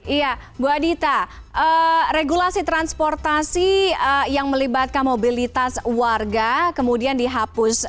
iya bu adita regulasi transportasi yang melibatkan mobilitas warga kemudian dihapus